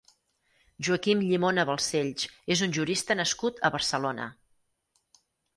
Joaquim Llimona Balcells és un jurista nascut a Barcelona.